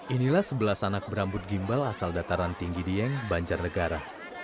inilah sebelas anak berambut gimbal asal dataran tinggi dieng banjarnegara